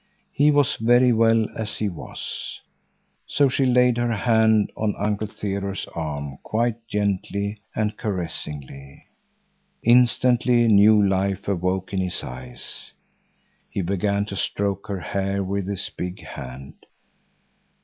He was very well as he was. So she laid her hand on Uncle Theodore's arm quite gently and caressingly. Instantly new life awoke in his eyes. He began to stroke her hair with his big hand.